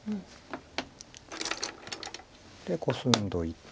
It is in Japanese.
でコスんどいて。